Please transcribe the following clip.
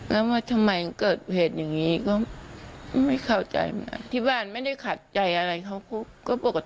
แล้วว่าทำไมเกิดเหตุอย่างนี้ก็ไม่เข้าใจที่บ้านไม่ได้ขัดใจอะไรเขาก็ปกติ